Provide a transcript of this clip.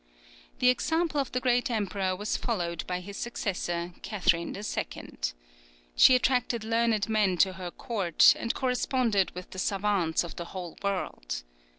The example of the great emperor was followed by his successor, Catherine II. She attracted learned men to her court, and corresponded with the savants of the whole world.